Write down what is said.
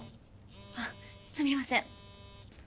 あっすみません。